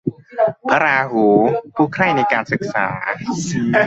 พระราหุล ผู้ใคร่ในการศึกษา